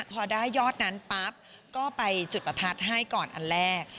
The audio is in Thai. พอได้ยอดนั้นปั๊บก็ไปจุดประทัดให้ก่อนอันแรก